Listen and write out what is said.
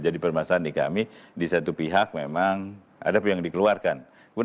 jadi permasalahan di kami di satu pihak memang ada yang dikeluarkan